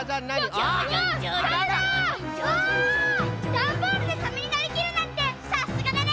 だんボールでサメになりきるなんてさすがだね！